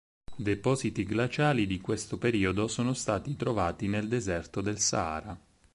Depositi glaciali di questo periodo sono stati trovati nel deserto del Sahara.